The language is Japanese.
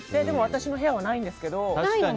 でも、私の部屋はないんですけど。